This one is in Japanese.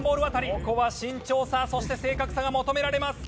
ここは慎重さそして正確さが求められます。